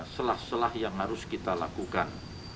selah selah yang harus kita lakukan